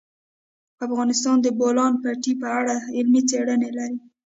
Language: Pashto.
افغانستان د د بولان پټي په اړه علمي څېړنې لري.